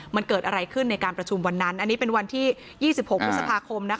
มันเกิดอะไรขึ้นในการประชุมวันนั้นอันนี้เป็นวันที่๒๖พฤษภาคม